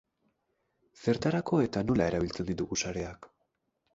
Zertarako eta nola erabiltzen ditugu sareak?